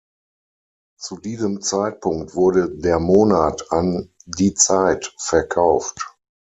Zu diesem Zeitpunkt wurde "Der Monat" an "Die Zeit" verkauft.